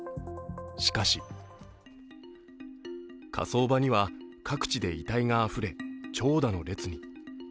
しかし、火葬場には各地で遺体があふれ長蛇の列に。